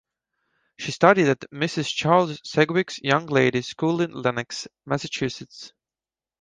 She studied at Mrs. Charles Sedgwick's Young Ladies School in Lenox, Massachusetts.